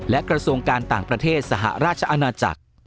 และกระทรวงการต่างประเทศสหราชอาณาจักร